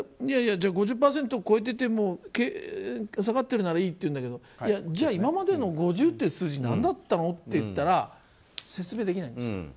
５０％を超えてても下がってるならいいって言うんだけどじゃあ、今までの５０っていう数字何だったのっていったら説明できないんです。